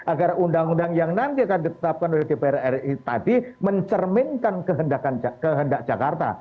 agar undang undang yang nanti akan ditetapkan oleh dpr ri tadi mencerminkan kehendak jakarta